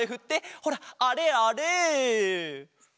ほらあれあれ！